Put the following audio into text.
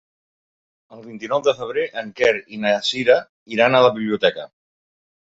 El vint-i-nou de febrer en Quer i na Cira iran a la biblioteca.